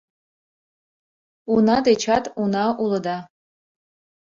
— Уна дечат уна улыда.